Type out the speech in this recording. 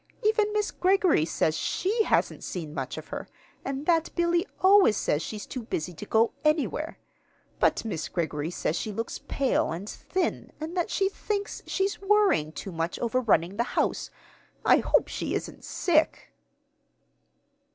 Even Miss Greggory says she hasn't seen much of her, and that Billy always says she's too busy to go anywhere. But Miss Greggory says she looks pale and thin, and that she thinks she's worrying too much over running the house. I hope she isn't sick!"